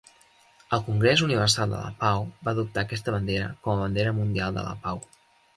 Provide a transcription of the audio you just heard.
El Congrés Universal de la Pau va adoptar aquesta bandera com a bandera mundial de la pau.